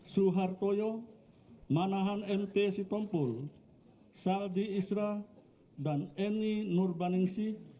suhartoyo manahan mt sitompul saldi isra dan eni nurbaningsi